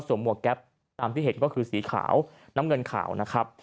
หมวกแก๊ปตามที่เห็นก็คือสีขาวน้ำเงินขาวนะครับ